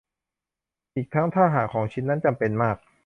อีกทั้งถ้าหากของชิ้นนั้นจำเป็นมาก